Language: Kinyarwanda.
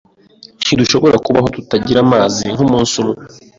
Ntidushobora kubaho tutagira amazi kumunsi umwe.